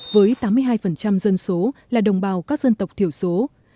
với tám mươi hai dân số là đồng bào các dân tộc thiểu số